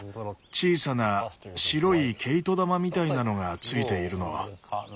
小さな白い毛糸玉みたいなのがついているの。